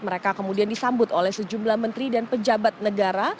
mereka kemudian disambut oleh sejumlah menteri dan pejabat negara